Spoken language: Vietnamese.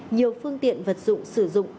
nhiều phương tiện vật dụng sử dụng